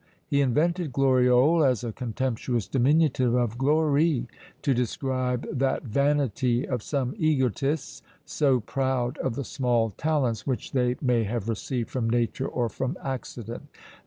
He invented gloriole as a contemptuous diminutive of glorie; to describe that vanity of some egotists, so proud of the small talents which they may have received from nature or from accident.